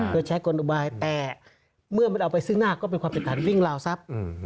โดยใช้กลอุบายแต่เมื่อมันเอาไปซึ่งหน้าก็เป็นความผิดฐานวิ่งราวทรัพย์